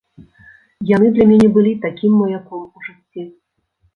Яны для мяне былі такім маяком у жыцці.